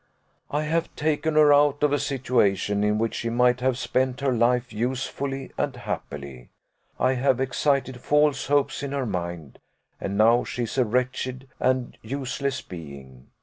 "I have taken her out of a situation in which she might have spent her life usefully and happily; I have excited false hopes in her mind, and now she is a wretched and useless being.